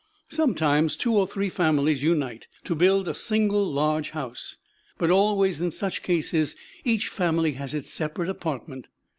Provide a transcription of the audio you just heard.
Sometimes two or three families unite to build a single large house, but always in such cases each family has its separate apartment.